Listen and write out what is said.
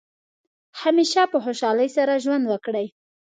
همیشه په خوشحالۍ سره ژوند وکړئ.